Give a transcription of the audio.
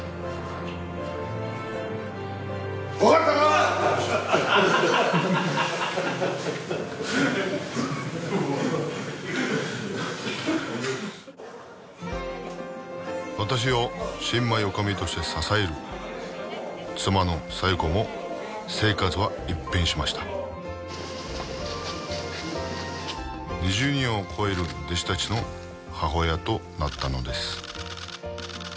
ビックリした私を新米おかみとして支える妻の紗代子も生活は一変しました２０人を超える弟子たちの母親となったのです